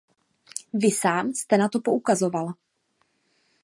Vy sám jste na to poukazoval.